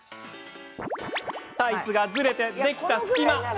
タイツがズレて、できた隙間。